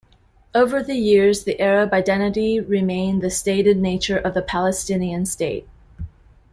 Over the years, the Arab identity remained the stated nature of the Palestinian State.